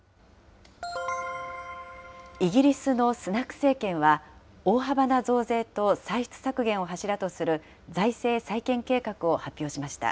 イギリスのスナク政権は、大幅な増税と歳出削減を柱とする財政再建計画を発表しました。